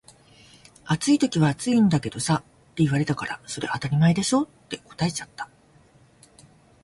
「暑い時は暑いんだけどさ」って言われたから「それ当たり前でしょ」って答えちゃった